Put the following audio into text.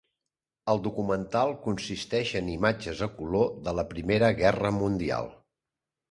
El documental consisteix en imatges a color de la Primera Guerra Mundial.